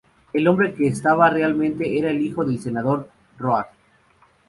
El hombre que estaba realmente era el hijo del senador Roark.